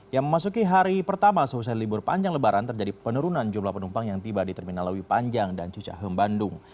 yang memasuki hari pertama selesai libur panjang lebaran terjadi penurunan jumlah penumpang yang tiba di terminal lewi panjang dan cicahem bandung